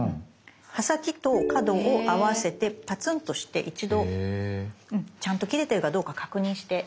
刃先と角を合わせてパツンとして一度ちゃんと切れてるかどうか確認して下さい。